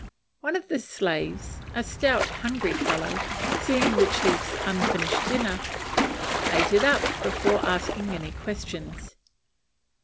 One of the slaves, a stout hungry fellow, seeing the chief's unfinished dinner, ate it up before asking any questions.